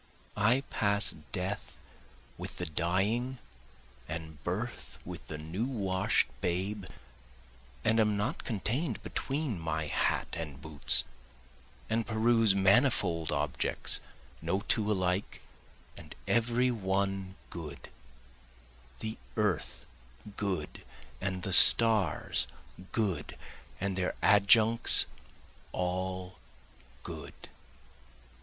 I pass death with the dying and birth with the new wash'd babe, and am not contain'd between my hat and boots, And peruse manifold objects, no two alike and every one good, The earth good and the stars good, and their adjuncts all good.